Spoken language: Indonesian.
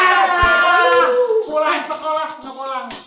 sekolah gak pulang